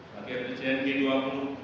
pada kebijakan g dua puluh